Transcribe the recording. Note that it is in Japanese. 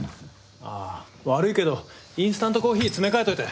あ悪いけどインスタントコーヒー詰め替えといて。